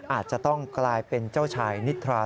อาจจะต้องกลายเป็นเจ้าชายนิทรา